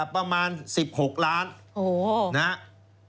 ประมาณ๑๖ล้านนะฮะโอ้โห